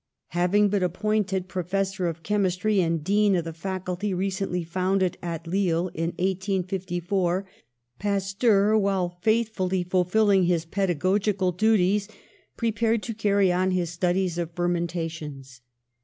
Having been appointed Professor of Chemis try and Dean of the Faculty recently founded at Lille in 1854, Pasteur, while faithfully ful filling his pedagogical duties, prepared to carry on his studies of fermentations.